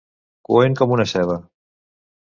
Coent com una ceba.